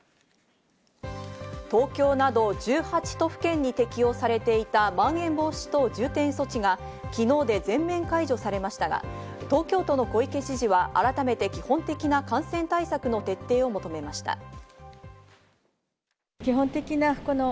東京など１８都府県に適用されていた、まん延防止等重点措置が昨日で全面解除されましたが、東京都の小池知事は改めて基本的な感染対策の徹底を求めました。